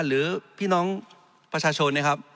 หรือพี่น้องประชาชน